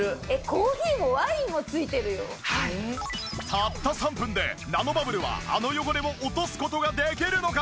たった３分でナノバブルはあの汚れを落とす事ができるのか！？